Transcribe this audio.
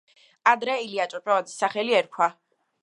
ადრე ილია ჭავჭავაძის სახელი ერქვა.